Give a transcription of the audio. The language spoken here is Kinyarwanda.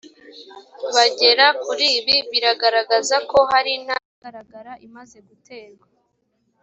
bagera kuri ibi biragaragaza ko hari intambwe igaragara imaze guterwa